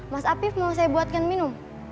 mas afif mau saya buatkan minum